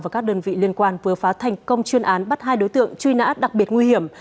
và các đơn vị liên quan vừa phá thành công chuyên án bắt hai đối tượng truy nã đặc biệt nguy hiểm